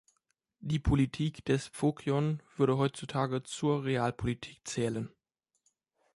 Die Politik des Phokion würde heutzutage zur Realpolitik zählen.